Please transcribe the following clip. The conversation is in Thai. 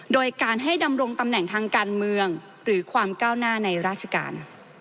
โดยการให้ดำรงตำแหน่งทางการเมืองหรือความก้าวหน้าในราชการ